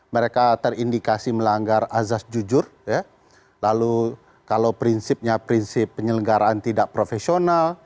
mereka terindikasi melanggar azas jujur lalu kalau prinsipnya prinsip penyelenggaraan tidak profesional